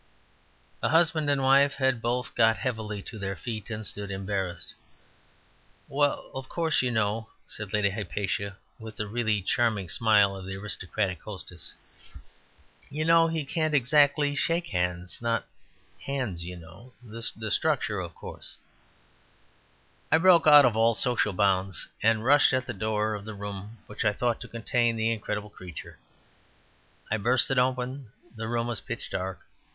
The husband and wife had both got heavily to their feet, and stood, embarrassed. "Well, of course, you know," said Lady Hypatia, with the really charming smile of the aristocratic hostess. "You know he can't exactly shake hands... not hands, you know.... The structure, of course " I broke out of all social bounds, and rushed at the door of the room which I thought to contain the incredible creature. I burst it open; the room was pitch dark.